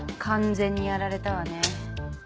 完全にやられたわね。